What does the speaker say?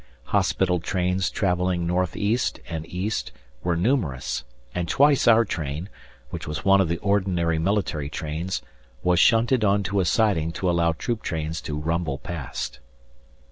Hospital trains travelling north east and east were numerous, and twice our train, which was one of the ordinary military trains, was shunted on to a siding to allow troop trains to rumble past.